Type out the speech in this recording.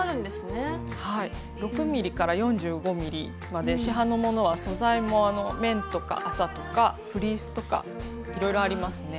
６ｍｍ４５ｍｍまで市販のものは素材も綿とか麻とかフリースとかいろいろありますね。